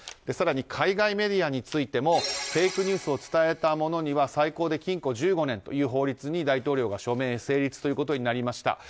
更に、海外メディアに対してもフェイクニュースを伝えた者には最高で禁錮１５年という法律に大統領が署名成立することになりました。